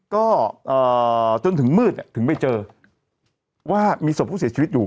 ก็จนถึงมืดถึงไปเจอว่ามีศพผู้เสียชีวิตอยู่